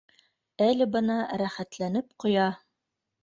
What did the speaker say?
Әле бына рәхәтләнеп ҡоя